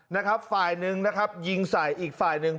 นะครับฝ่ายหนึ่งนะครับยิงใส่อีกฝ่ายหนึ่ง